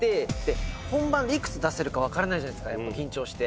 本番で幾つ出せるか分からないじゃない緊張して。